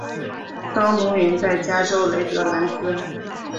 当奴云在加州雷德兰兹。